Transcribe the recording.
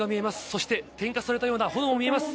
そして点火されたような炎も見えます。